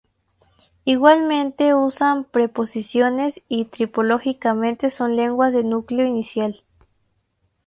Igualmente usan preposiciones y tipológicamente son lenguas de núcleo inicial.